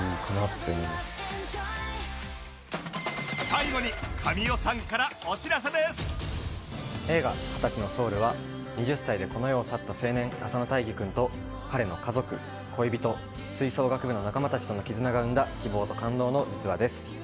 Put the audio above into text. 最後に映画『２０歳のソウル』は２０歳でこの世を去った青年浅野大義君と彼の家族恋人吹奏楽部の仲間たちとの絆が生んだ希望と感動の実話です。